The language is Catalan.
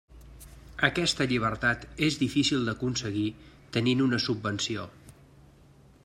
Aquesta llibertat és difícil d'aconseguir tenint una subvenció.